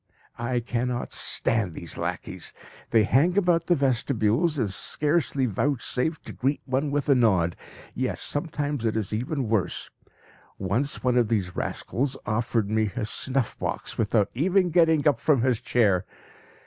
I cannot stand these lackeys! They hang about the vestibules, and scarcely vouchsafe to greet one with a nod. Yes, sometimes it is even worse; once one of these rascals offered me his snuff box without even getting up from his chair.